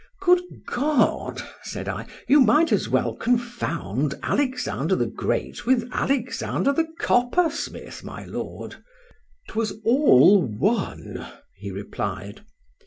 Good God! said I, you might as well confound Alexander the Great with Alexander the Coppersmith, my lord!—"'Twas all one," he replied.